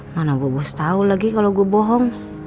mana bu bos tahu lagi kalau gua bohong